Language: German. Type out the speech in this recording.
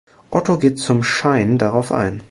Otto geht zum Schein darauf ein.